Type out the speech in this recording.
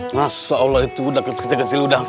masa allah itu udah kecil kecil lu udah